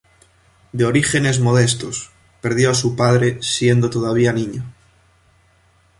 De orígenes modestos, perdió a su padre siendo todavía niño.